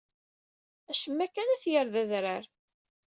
Acemma kan ad t-yerr d adrar.